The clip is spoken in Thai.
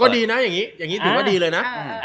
ก็ดีนะอย่างงี้คือว่าดีเลยนะ